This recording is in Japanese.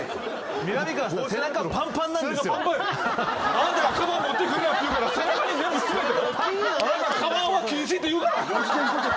あなたがカバン持ってくるなと言うから背中に全部詰めて。